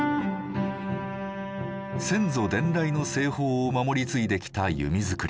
先祖伝来の製法を守り継いできた弓作り。